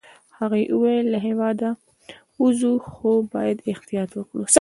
هغې وویل: له هیواده ووزو، خو باید احتیاط وکړو.